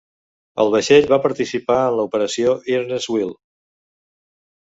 El vaixell va participar en l'Operació Earnest Will.